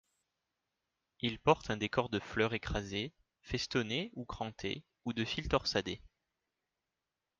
Ils portent un décor de fleurs, écrasé, festonné ou cranté ou de fils torsadés.